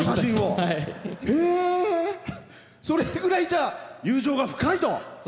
それぐらい友情が深いと。